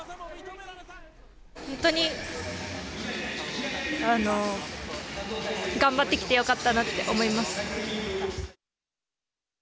本当に頑張ってきてよかったなって思います。